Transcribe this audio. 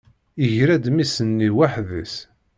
Yegra-d mmi-s-nni waḥed-s.